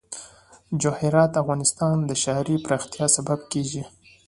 جواهرات د افغانستان د ښاري پراختیا سبب کېږي.